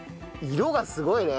色がすごいね。